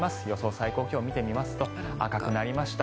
最高気温を見てみますと赤くなりました。